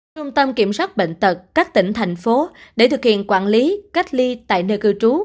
trung tâm kiểm soát bệnh tật các tỉnh thành phố để thực hiện quản lý cách ly tại nơi cư trú